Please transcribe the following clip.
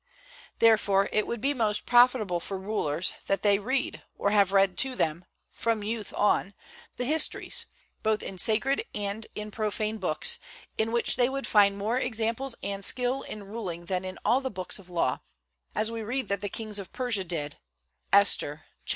Therefore it would be most profitable for rulers, that they read, or have read to them, from youth on, the histories, both in sacred and in profane books, in which they would find more examples and skill in ruling than in all the books of law; as we read that the kings of Persia did, Esther vi.